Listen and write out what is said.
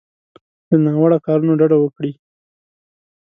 له ناوړو کارونو ډډه وکړي.